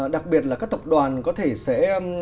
đặc biệt là các tập đoàn có thể sẽ